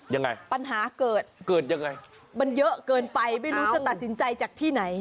ยังไงปัญหาเกิดเกิดยังไงมันเยอะเกินไปไม่รู้จะตัดสินใจจากที่ไหน